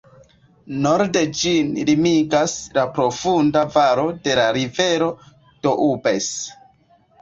Norde ĝin limigas la profunda valo de la rivero Doubs.